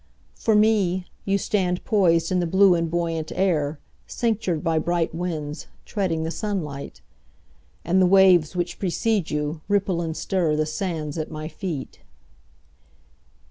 For me, You stand poisedIn the blue and buoyant air, Cinctured by bright winds, Treading the sunlight. And the waves which precede youRipple and stirThe sands at my feet.